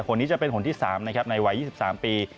หล่นนี้จะเป็นหล่นที่๓ในวัย๒๓ปี